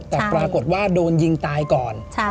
แต่ปรากฏว่าโดนยิงตายก่อน